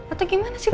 atau gimana sih pak